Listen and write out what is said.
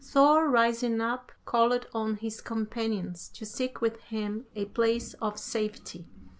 Thor, rising up, called on his companions to seek with him a place of safety.